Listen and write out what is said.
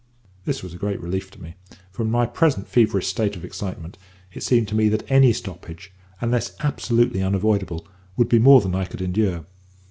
This was a great relief to me, for in my present feverish state of excitement it seemed to me that any stoppage, unless absolutely unavoidable, would be more than I could endure.